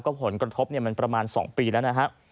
ก็ผลกระทบประมาณ๒ปีแล้ว